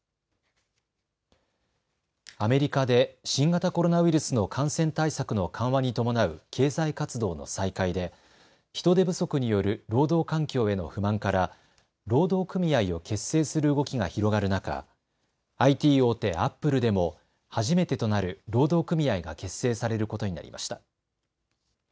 アメリカで新型コロナウイルスの感染対策の緩和に伴う経済活動の再開で人手不足による労働環境への不満から労働組合を結成する動きが広がる中、ＩＴ大手アップルでも初めてとなる労働組合が結成されることになりました。